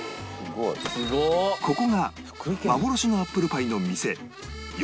ここが幻のアップルパイの店洋